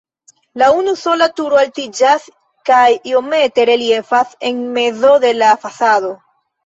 La unusola turo altiĝas kaj iomete reliefas en mezo de la fasado.